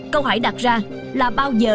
câu hỏi đặt ra là bao giờ